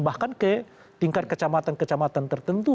bahkan ke tingkat kecamatan kecamatan tertentu